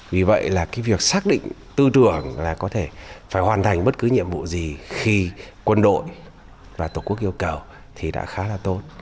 vì vậy là cái việc xác định tư tưởng là có thể phải hoàn thành bất cứ nhiệm vụ gì khi quân đội và tổ quốc yêu cầu thì đã khá là tốt